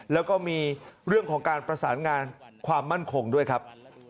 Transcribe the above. แล้วก็มีเรื่องของการประสานงานความมั่นคงด้วยครับ